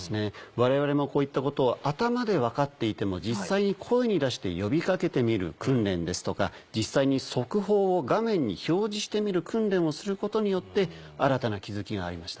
われわれもこういったことを頭で分かっていても実際に声に出して呼びかけてみる訓練ですとか実際に速報を画面に表示してみる訓練をすることによって新たな気付きがありました。